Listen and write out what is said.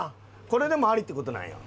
これでもありって事なんや。